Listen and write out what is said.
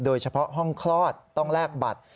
โดยเฉพาะห้องคลอดต้องแลกบัตร